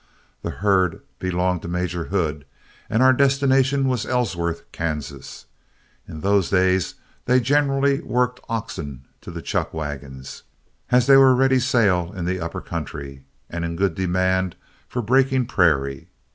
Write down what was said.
The herd belonged to Major Hood, and our destination was Ellsworth, Kansas. In those days they generally worked oxen to the chuck wagons, as they were ready sale in the upper country, and in good demand for breaking prairie.